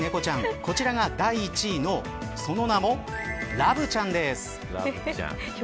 こちらが第１位のその名もラブちゃんです。